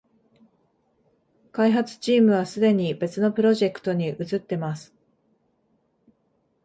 開発チームはすでに別のプロジェクトに移ってます